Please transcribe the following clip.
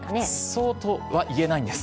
そうとは言えないんです。